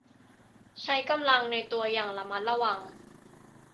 ใช้กำลังในตัวอย่างระมัดระวัง